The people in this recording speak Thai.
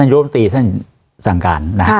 ท่านโยธมตีท่านสั่งการ